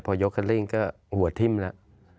พอยกคันเร่งก็หัวทิ้มแล้ว